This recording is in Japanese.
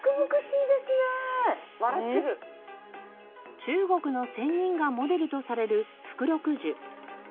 中国の仙人がモデルとされる福禄寿。